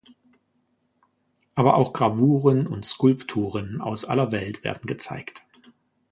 Aber auch Gravuren und Skulpturen aus aller Welt werden gezeigt.